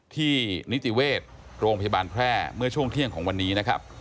ที่นิติเวชโรงพยาบาลแพร่เมื่อช่วงเที่ยงของวันนี้นะครับ